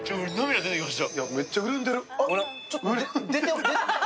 めっちゃうるんでる。